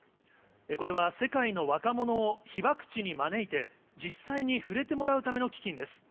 これは、世界の若者を被爆地に招いて、実際に触れてもらうための基金です。